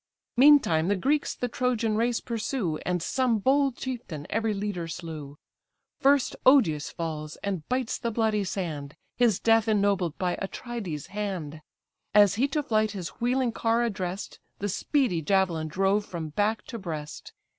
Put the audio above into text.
Meantime, the Greeks the Trojan race pursue, And some bold chieftain every leader slew: First Odius falls, and bites the bloody sand, His death ennobled by Atrides' hand: As he to flight his wheeling car address'd, The speedy javelin drove from back to breast.